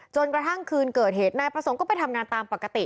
จนกระทั่งคืนเกิดเหตุนายประสงค์ก็ไปทำงานตามปกติ